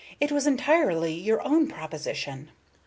It was entirely your own proposition."